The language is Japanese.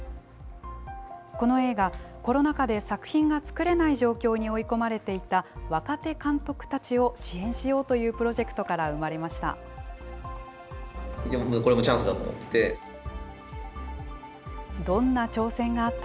この映画、コロナ禍で作品が作れない状況に追い込まれていた、若手監督たちを支援しようというプロジェクトから生まれました。